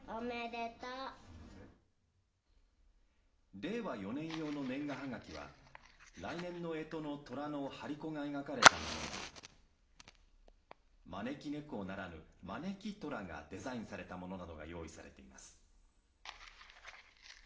令和４年用の年賀はがきは来年のえとのとらの張り子がえがかれたものや招き猫ならぬ招き虎がデザインされたものなどが用意されています。